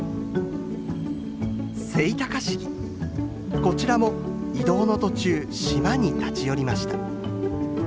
こちらも移動の途中島に立ち寄りました。